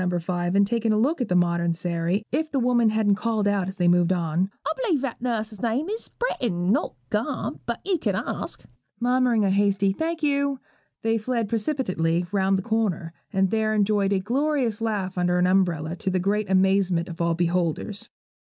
5, and taken a look at the modern Sairy, if the woman hadn't called out as they moved on 'I b'lieve that nuss's name is Britiain, not Gamp; but you can ask.' Murmuring a hasty 'thank you,' they fled precipitately round the corner, and there enjoyed a glorious laugh under an umbrella, to the great amazement of all beholders.